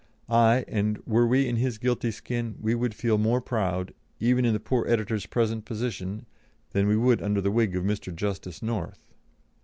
Aye, and were we in his guilty skin, we would feel more proud, even in the poor editor's present position, than we would under the wig of Mr. Justice North."